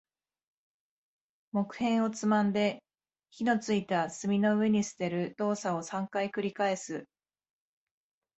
木片をつまんで、火の付いた炭の上に捨てる動作を三回繰り返す。